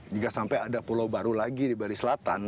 jika sampai ada pulau baru lagi di bali selatan